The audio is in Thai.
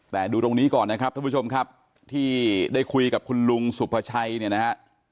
แต่ดูตรงนี้ก่อนนะครับท่านผู้ชมครับที่ได้คุยกับคุณลุงสุภาชัยเนี่ยนะฮะ